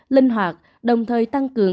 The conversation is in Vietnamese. linh hoạt đồng thời tăng cường